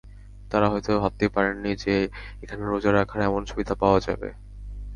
তারা হয়তো ভাবতেই পারেননি যে, এখানে রোজা রাখার এমন সুবিধা পাওয়া যাবে।